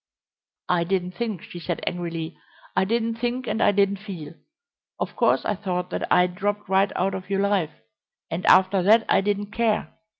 "I didn't think," she said angrily; "I didn't think and I didn't feel. Of course I thought that I'd dropped right out of your life, and after that I didn't care.